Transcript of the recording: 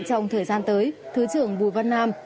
trong thời gian tới thứ trưởng bùi văn nam